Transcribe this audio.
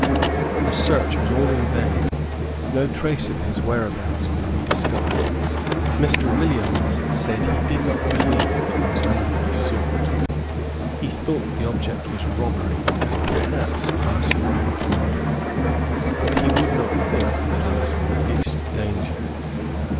But the search was all in vain. No trace of his whereabouts could be discovered. Mr. Williams said he did not believe it was me he sought. He thought the object was robbery, and perhaps arson and murder, but he would not think that I was in the least danger.